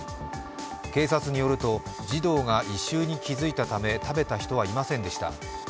警察によると、児童が異臭に気づいたため食べた人はいませんでした。